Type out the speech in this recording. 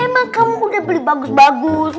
enak kamu udah beli bagus bagus